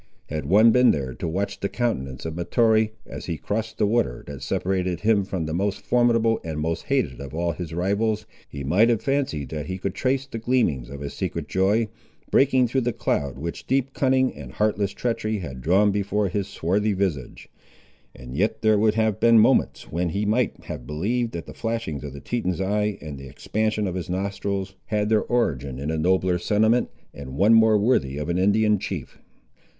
Had one been there to watch the countenance of Mahtoree, as he crossed the water that separated him from the most formidable and the most hated of all his rivals, he might have fancied that he could trace the gleamings of a secret joy, breaking through the cloud which deep cunning and heartless treachery had drawn before his swarthy visage; and yet there would have been moments, when he might have believed that the flashings of the Teton's eye and the expansion of his nostrils, had their origin in a nobler sentiment, and one more worthy of an Indian chief.